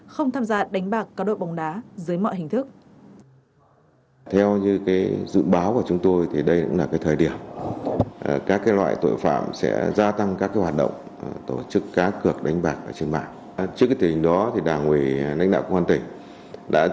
không tham gia đánh bạc các đội bóng đá